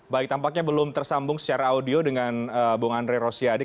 baik tampaknya belum tersambung secara audio dengan bung andre rosiade